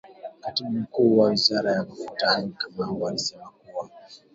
Katibu Mkuu wa Wizara ya Mafuta Andrew Kamau alisema kuwa